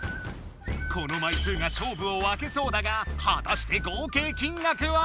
この枚数が勝負を分けそうだがはたして合計金額は？